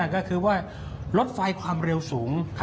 ก็คือว่ารถไฟความเร็วสูง